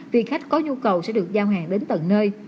vì khách có nhu cầu sẽ được giao hàng đến tận nơi